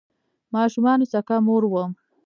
ماشومانو سکه مور وم